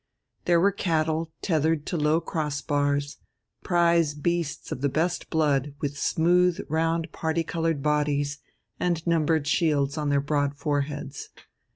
There were cattle tethered to low crossbars, prize beasts of the best blood with smooth round particoloured bodies and numbered shields on their broad foreheads.